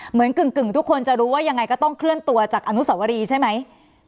กึ่งทุกคนจะรู้ว่ายังไงก็ต้องเคลื่อนตัวจากอนุสวรีใช่ไหม